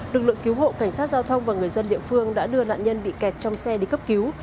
lực lượng cứu hộ cảnh sát giao thông và người dân địa phương đã đưa nạn nhân bị kẹt trong xe đi cấp cứu